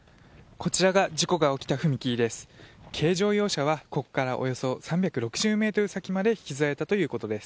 こちらが事故が起きた踏切です。